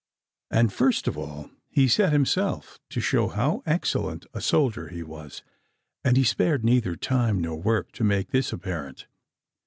And first of all he set himself to show how excellent a soldier he was, and he spared neither time nor work to make this apparent.